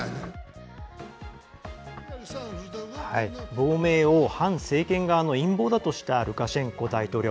亡命を反政権側の陰謀だとしたルカシェンコ大統領。